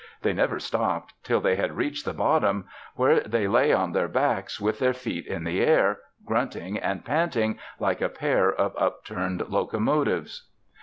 They never stopped till they had reached the bottom, where they lay on their backs with their feet in the air, grunting and panting like a pair of upturned locomotives.